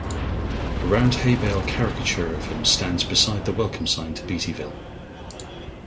A round hay bale caricature of him stands beside the welcome sign to Beattyville.